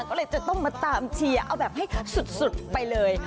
ก็เลยจะต้องมาตามเชียร์เอาแบบให้สุดไปเลย